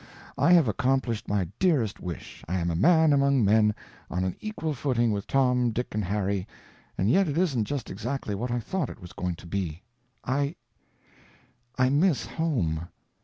I have accomplished my dearest wish, I am a man among men, on an equal footing with Tom, Dick and Harry, and yet it isn't just exactly what I thought it was going to be. I—I miss home.